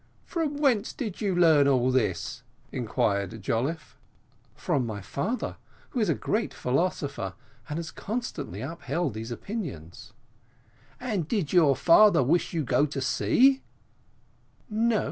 "From whence did you learn all this?" inquired Jolliffe. "From my father, who is a great philosopher, and has constantly upheld these opinions." "And did your father wish you to go to sea?"